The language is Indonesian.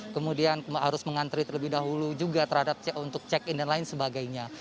kemudian harus mengantri terlebih dahulu juga terhadap untuk check in dan lain sebagainya